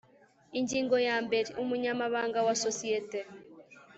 Ingingo ya mbere Umunyamabanga wa sosiyete